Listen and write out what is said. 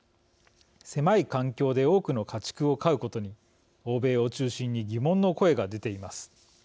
狭い環境で多くの家畜を飼うことに欧米を中心に疑問の声が出ています。